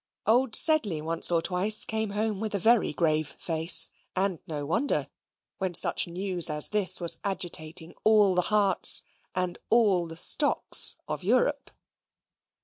Old Sedley once or twice came home with a very grave face; and no wonder, when such news as this was agitating all the hearts and all the Stocks of Europe.